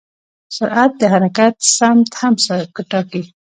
سرعت د حرکت سمت هم ټاکي.